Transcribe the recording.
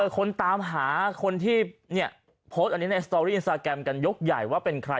คนตามหาคนที่โพสต์อันนี้ในสตอรี่อินสตาแกรมกันยกใหญ่ว่าเป็นใคร